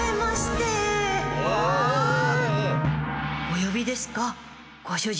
およびですか？